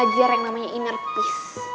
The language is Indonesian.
perlu belajar yang namanya inertis